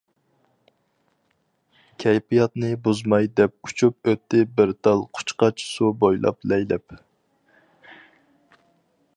كەيپىياتنى بۇزماي دەپ ئۇچۇپ ئۆتتى بىر تال قۇچقاچ سۇ بويلاپ لەيلەپ.